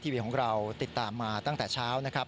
วีของเราติดตามมาตั้งแต่เช้านะครับ